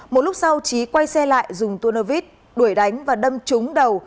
một lúc sau trí quay xe lại dùng tuôn nơ vít đuổi đánh và đâm trúng đầu